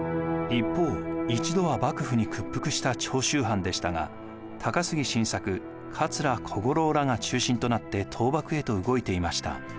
一方一度は幕府に屈服した長州藩でしたが高杉晋作・桂小五郎らが中心となって倒幕へと動いていました。